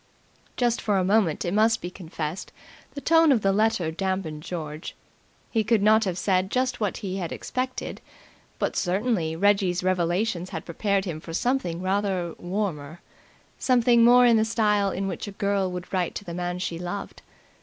Just for a moment it must be confessed, the tone of the letter damped George. He could not have said just what he had expected, but certainly Reggie's revelations had prepared him for something rather warmer, something more in the style in which a girl would write to the man she loved.